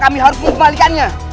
kami harus mengembalikannya